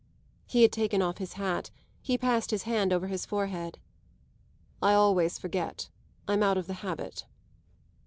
He had taken off his hat; he passed his hand over his forehead. "I always forget; I'm out of the habit."